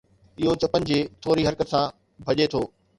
اهو چپن جي ٿوري حرڪت سان ڀڃي ٿو